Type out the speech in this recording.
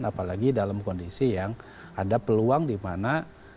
apalagi dalam kondisi yang ada peluang di mana